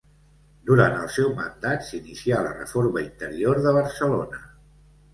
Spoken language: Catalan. Durant el seu mandat s'inicià la reforma interior de Barcelona.